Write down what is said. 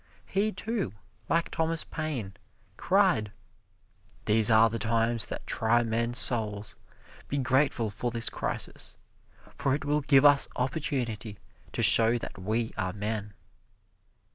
He, too, like Thomas Paine, cried, "These are the times that try men's souls be grateful for this crisis, for it will give us opportunity to show that we are men."